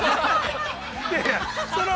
◆いやいや。